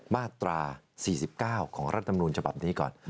มาตรา๔๙ของรัฐธรรมนูญฉบับนี้ก่อน